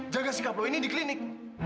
jaga sikap lo ini di klinik